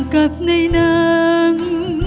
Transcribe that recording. กับในนาง